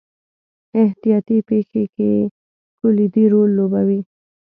احتیاطي پېښې کلیدي رول لوبوي.